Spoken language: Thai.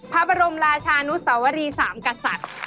พระบรมราชานุสวรีสามกษัตริย์